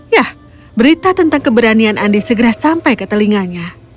ya berita tentang keberanian andi segera sampai ke telinganya